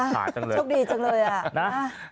ชอบดีจังเลยอ่ะ